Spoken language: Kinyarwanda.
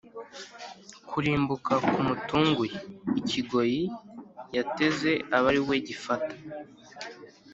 Kurimbuka kumutunguye, ikigoyi yateze abe ari we gifata